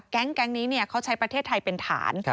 แก๊งนี้เขาใช้ประเทศไทยเป็นฐาน